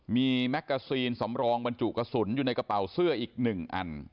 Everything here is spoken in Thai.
มีแมกกาซีนสำรองบรรจุกระสุนอยู่ในกระเป๋าเสื้ออีก๑อัน